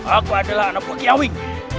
aku adalah anak buah kiawing